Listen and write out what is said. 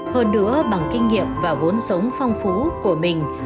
hơn nữa bằng kinh nghiệm và vốn sống phong phú của mình